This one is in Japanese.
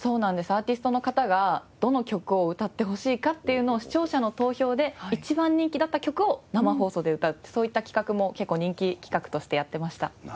アーティストの方がどの曲を歌ってほしいかっていうのを視聴者の投票で一番人気だった曲を生放送で歌うってそういった企画も結構人気企画としてやってました。